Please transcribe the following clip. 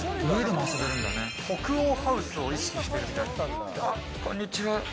北欧ハウスを意識しているみたいです。